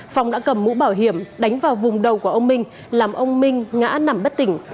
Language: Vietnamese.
phong đã cầm mũ bảo hiểm đánh vào vùng đầu của ông minh làm ông minh ngã nằm bất tỉnh